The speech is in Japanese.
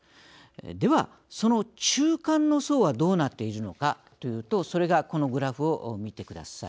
ではその中間の層はどうなってるのかというとそれがこのグラフを見てください。